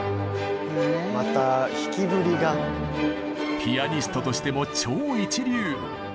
ピアニストとしても超一流。